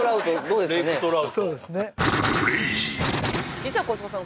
実は小塚さん